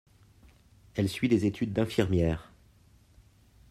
Elle suit des études d'infirmière.